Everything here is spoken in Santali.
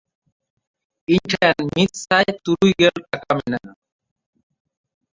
ᱤᱧ ᱴᱷᱮᱱ ᱢᱤᱫᱥᱟᱭ ᱛᱩᱨᱩᱭ ᱜᱮᱞ ᱴᱟᱠᱟ ᱢᱮᱱᱟᱜᱼᱟ᱾